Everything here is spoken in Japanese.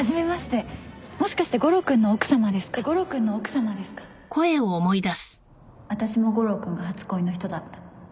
私も悟郎君が初恋の人だった